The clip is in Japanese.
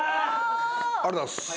ありがとうございます。